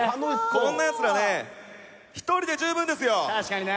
こんなやつらね、１人で十分ですよ。